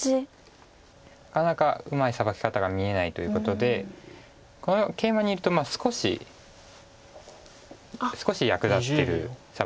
なかなかうまいサバキ方が見えないということでこのケイマにいると少し少し役立ってるサバキに。